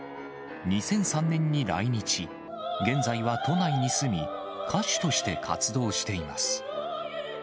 ２００３年に来日、現在は都内に住み、歌手として活動しています。